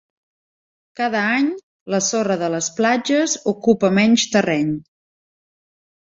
Cada any la sorra de les platges ocupa menys terreny.